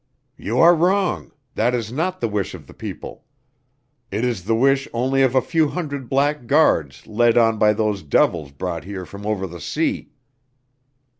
"You are wrong. That is not the wish of the people; it is the wish only of a few hundred blackguards led on by those devils brought here from over the sea."